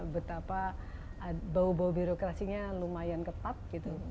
betapa bau bau birokrasinya lumayan ketat gitu